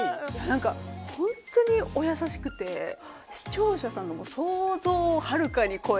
なんかホントにお優しくて視聴者さんの想像をはるかに超えるもう人間力。